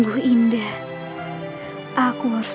apa yang saludasi